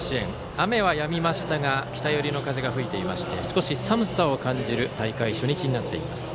雨はやみましたが北寄りの風が吹いていまして少し寒さを感じる大会初日になっています。